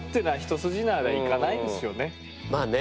まあね